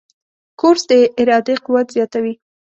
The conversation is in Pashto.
کورس د ارادې قوت زیاتوي.